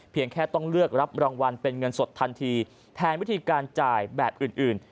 แค่ต้องเลือกรับรางวัลเป็นเงินสดทันทีแทนวิธีการจ่ายแบบอื่น